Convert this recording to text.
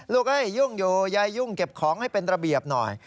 เอ้ยยุ่งอยู่ยายยุ่งเก็บของให้เป็นระเบียบหน่อย